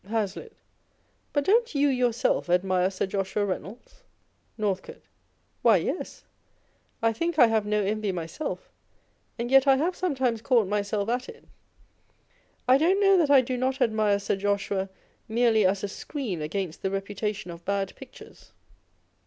HazlitL But don't you yourself admire Sir Joshua Reynolds ? Northcote. Why, yes : I think I have no envy myself, and yet I have sometimes caught myself at it. I don't know that I do not admire Sir Joshua merely as a screen against the reputation of bad pictures.